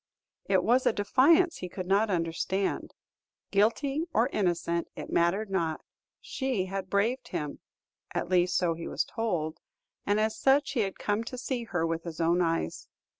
It was a defiance he could not withstand. Guilty or innocent, it mattered not; she had braved him, at least so he was told, and as such he had come to see her with his own eyes.